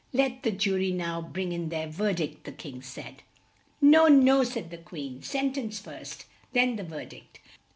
"Let the ju ry now bring in their verdict," the King said. "No! no!" said the Queen. "Sen tence first then the ver dict."